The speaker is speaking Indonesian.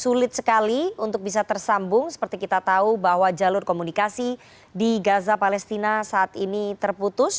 sulit sekali untuk bisa tersambung seperti kita tahu bahwa jalur komunikasi di gaza palestina saat ini terputus